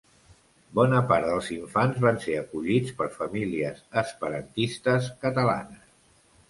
Bona part dels infants van ser acollits per famílies esperantistes catalanes.